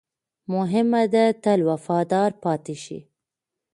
مهمه ده، تل وفادار پاتې شئ.